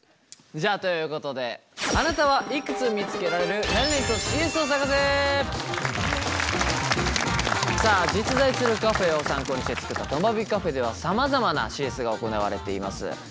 じゃあということでさあ実在するカフェを参考にして作ったとまビカフェではさまざまなＣＳが行われています。